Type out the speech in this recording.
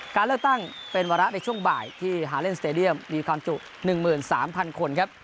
การเลือกตั้งเป็นวาระในช่วงบ่ายที่ฮาเลนสเตดียมมีความจุ๑๓๐๐คนครับ